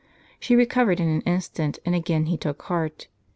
She recovered in an instant; and again he took heart.